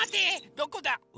どこだ？